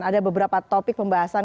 ada beberapa topik pembahasan